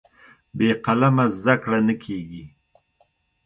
بې قلمه زده کړه نه کېږي.